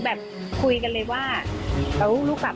มันเป็นอาหารของพระราชา